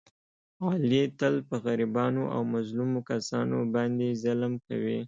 علي تل په غریبانو او مظلومو کسانو باندې ظلم کوي.